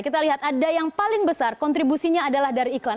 kita lihat ada yang paling besar kontribusinya adalah dari iklan